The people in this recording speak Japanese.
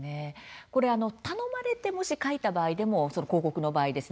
これ頼まれてもし書いた場合でも広告の場合ですね